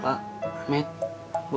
pak met bu